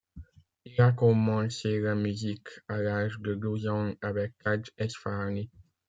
Il a commencé la musique à l'âge de douze ans avec Tadj Esfahani.